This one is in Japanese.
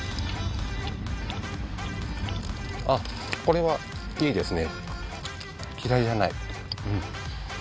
あっこれはいいですね。